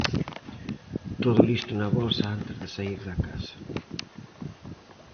Todo listo na bolsa antes de saír da casa.